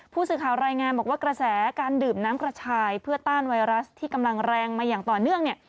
ผู้สื่อข่าวรายงานบอกว่ากระแสการดื่มน้ำกระชายเพื่อต้านไวรัสที่กำลังแรงมาอย่างต่อเนื่องเนี่ย